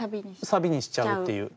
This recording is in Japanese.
サビにしちゃうっていう。